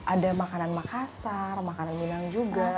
ada makanan makassar makanan minang juga